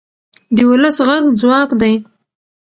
د ولس غږ ځواک دی